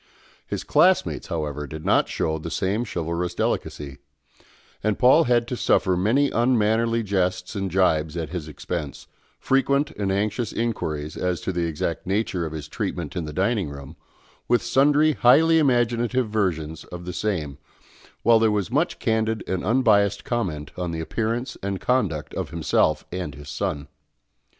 His classmates, however, did not show the same chivalrous delicacy; and Paul had to suffer many unmannerly jests and gibes at his expense, frequent and anxious inquiries as to the exact nature of his treatment in the dining room, with sundry highly imaginative versions of the same, while there was much candid and unbiassed comment on the appearance and conduct of himself and his son.